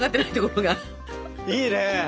いいね。